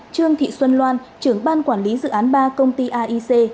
trương thị xuân loan trưởng ban quản lý dự án ba công ty aic